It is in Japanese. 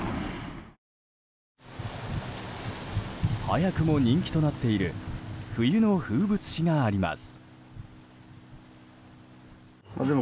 早くも人気となっている冬の風物詩があります。